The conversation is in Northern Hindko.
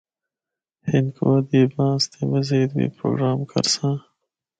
ہندکو ادیباں آسطے مزید بھی پروگرام کرساں۔